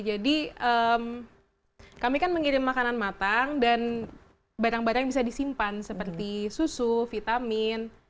jadi kami kan mengirim makanan matang dan barang barang yang bisa disimpan seperti susu vitamin